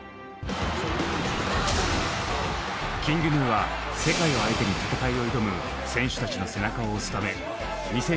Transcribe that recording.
ＫｉｎｇＧｎｕは世界を相手に戦いを挑む選手たちの背中を押すため２０２２